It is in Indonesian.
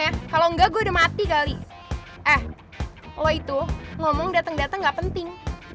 kalau enggak gue udah mati kali eh lo itu ngomong datang datang nggak penting